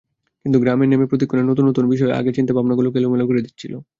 কিন্তু গ্রামে নেমে প্রতিক্ষণে নতুন নতুন বিষয়, আগের চিন্তাভাবনাগুলোকে এলোমেলো করে দিচ্ছিল।